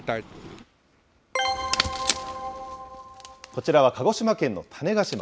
こちらは鹿児島県の種子島。